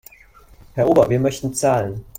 Herr Ober, wir möchten zahlen.